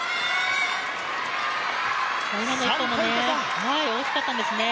今の１本も大きかったですよね。